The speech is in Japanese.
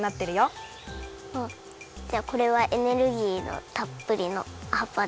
じゃあこれはエネルギーのたっぷりのはっぱだ。